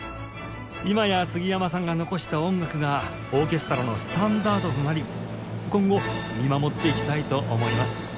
今やすぎやまさんが残した音楽がオーケストラのスタンダードとなり今後見守っていきたいと思います